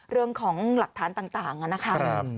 เรื่องของหลักฐานต่างนะครับ